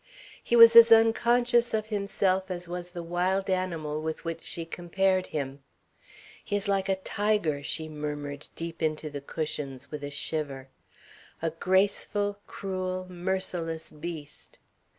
He was as unconscious of himself as was the wild animal with which she compared him. "He is like a tiger," she murmured deep into the cushions, with a shiver, "a graceful, cruel, merciless beast."